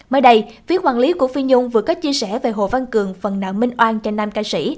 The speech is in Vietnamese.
mới đây phía hoàng lý của phi nhung vừa có chia sẻ về hồ văn cường phần nợ minh oan cho nam ca sĩ